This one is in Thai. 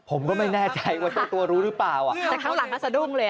ผมก็ไม่แน่ใจว่าตัวรู้รึเปล่าอ่ะข้างหลังสะดุ้งเลยอ่ะ